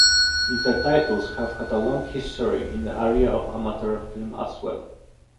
Intertitles have had a long history in the area of amateur film as well.